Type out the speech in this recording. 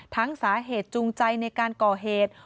สาเหตุจูงใจในการก่อเหตุ